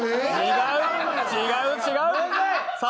違う、違う。